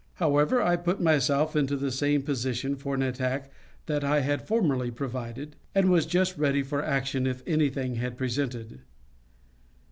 However, I put myself into the same position for an attack that I had formerly provided, and was just ready for action if anything had presented.